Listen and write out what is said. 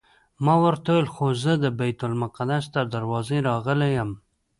ما ورته وویل خو زه د بیت المقدس تر دروازې راغلی یم.